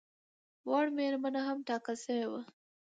وړ مېرمنه هم ټاکل شوې وه.